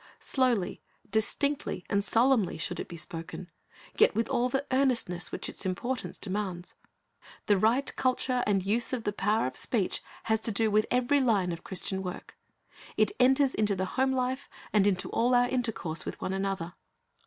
Slowly, distinctly, and solemnly should it be spoken, yet with all the earnestness which its importance demands. The right culture and use of the power of speech has to do with eveiy line of Christian work; it enters into the home life, and into all our intercourse with one another.